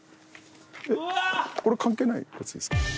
これ関係ないやつですか？